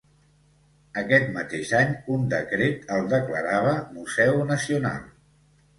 Aquest mateix any un decret el declarava Museu Nacional.